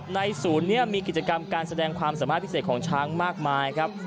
ศูนย์นี้มีกิจกรรมการแสดงความสามารถพิเศษของช้างมากมายครับ